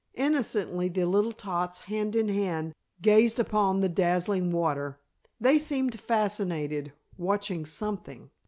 Innocently the little tots, hand in hand, gazed upon the dazzling water. They seemed fascinated, watching something.